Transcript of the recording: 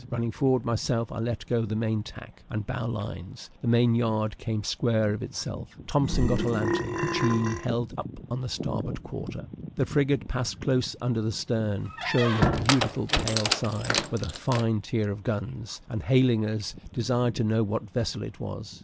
Running forward myself, I let go the main tack, and bowlines; the main yard came square of itself. Thompson got a lantern, which he held up on the starboard quarter. The frigate passed close under the stern, shewing a beautiful pale side, with a fine tier of guns; and, hailing us, desired to know what vessel it was.